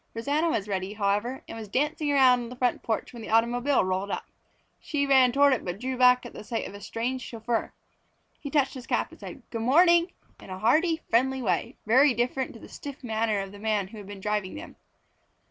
Rosanna was ready, however, and was dancing around on the front porch when the automobile rolled up. She ran toward it but drew back at the sight of a strange chauffeur. He touched his cap and said "Good morning!" in a hearty, friendly way, very different to the stiff manner of the man who had been driving them.